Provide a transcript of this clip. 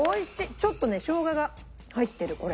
ちょっとねショウガが入ってるこれ。